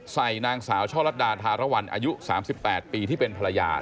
ใส่นางสาวช่อลัดดาธารวรรณอายุ๓๘ปีที่เป็นภรรยา